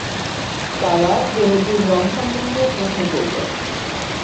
তারা গরুটির রং সম্বন্ধে প্রশ্ন করল।